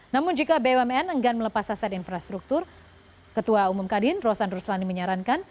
namun jika bumn enggan melepas aset infrastruktur ketua umum kadin rosan ruslani menyarankan